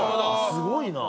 すごいな。